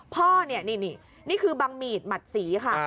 พ่อนี่คือบางหมีดหงัดสีค่ะ